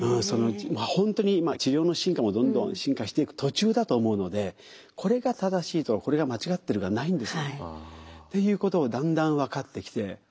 そのうちまあ本当に治療の進化もどんどん進化していく途中だと思うのでこれが正しいとかこれが間違ってるがないんですよね。っていうことをだんだん分かってきて。